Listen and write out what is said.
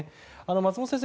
松本先生